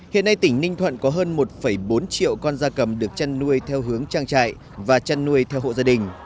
hiện nay tỉnh ninh thuận có hơn một bốn triệu con da cầm được chăn nuôi theo hướng trang trại và chăn nuôi theo hộ gia đình